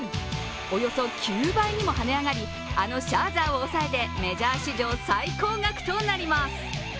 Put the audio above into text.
およそ９倍にもはね上がり、あのシャーザーを抑えてメジャー史上最高額となります。